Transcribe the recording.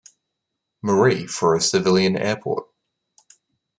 Marie for a civilian airport.